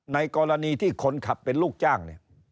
ในกรณีที่คนขับเป็นลูกจ้างเนี่ย